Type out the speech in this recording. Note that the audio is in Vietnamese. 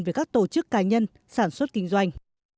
về các tổ chức cá nhân sản xuất kinh doanh